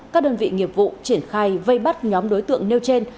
các đơn vị nghiệp vụ triển khai vây bắt nhóm đối tượng nêu trên